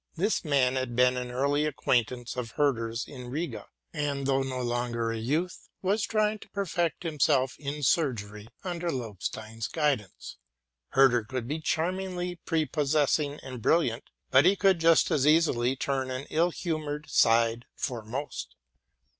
This man had been an early acquaintance of Herder's in Riga, and, though no longer a youth, was trying to perfect himself in surgery under Lobstein's guidance. Herder could be charmingly prepossessing and brilliant, but he could just as easily turn an ill humored side foremost.